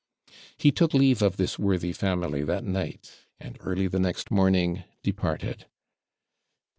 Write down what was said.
He took leave of this worthy family that night, and, early the next morning, departed.